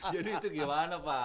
jadi itu gimana pak